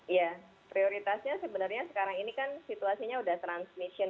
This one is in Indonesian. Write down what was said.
iya prioritasnya sebenarnya sekarang ini kan situasinya udah transmission ya